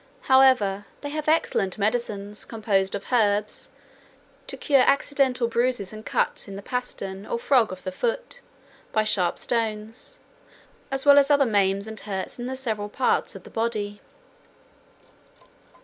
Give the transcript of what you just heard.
However, they have excellent medicines, composed of herbs, to cure accidental bruises and cuts in the pastern or frog of the foot, by sharp stones, as well as other maims and hurts in the several parts of the body.